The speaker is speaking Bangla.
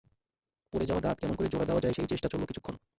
পড়ে যাওয়া দাঁত কেমন করে জোড়া দেওয়া যায় সেই চেষ্টা চলল কিছুক্ষণ।